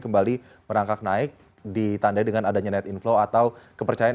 kembali merangkak naik ditandai dengan adanya net inflow atau kepercayaan